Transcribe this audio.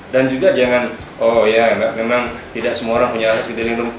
dan juga jangan oh ya memang tidak semua orang punya akses ke billing room